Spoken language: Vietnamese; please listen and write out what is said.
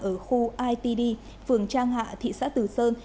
ở khu itd phường trang hạ thị xã tử sơn